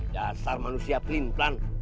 dasar manusia pelin pelan